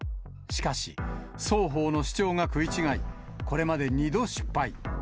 しかし、双方の主張が食い違い、これまで２度失敗。